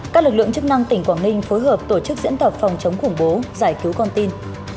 các lực lượng chức năng tỉnh quảng ninh phối hợp tổ chức diễn tập phòng chống khủng bố giải cứu con tin